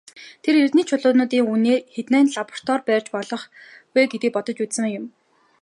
Тэр эрдэнийн чулуунуудын үнээр хэдэн лаборатори барьж болох вэ гэдгийг бодож үзсэн юм.